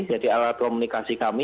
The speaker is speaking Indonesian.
jadi alat komunikasi kami